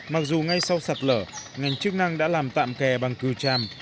mặc dù ngay sau sạt lở ngành chức năng đã làm tạm kè bằng cừu tràm